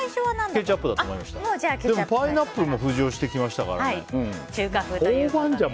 でも、パイナップルも浮上してきましたからね。